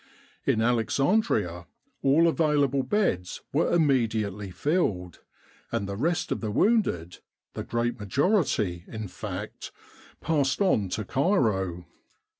In Alexandria all avail able beds were immediately filled ; and the rest of the wounded, the great majority, in fact, passed on to Cairo.